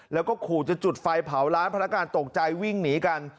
แล้วก็ขู่จะจุดไฟเผาร้านพนักงานตกใจวิ่งหนีกัน